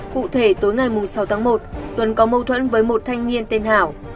cụ thể tối ngày sáu tháng một tuấn có mâu thuẫn với một thanh niên tên hảo